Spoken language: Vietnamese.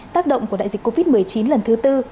tác động của đại dịch covid một mươi chín lần thứ tư